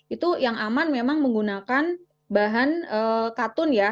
itu yang aman memang menggunakan bahan katun ya